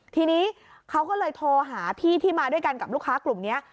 ทีนี้เขาก็เลยโทรหาพี่ที่มาด้วยกันกับลูกค้ากลุ่มนี้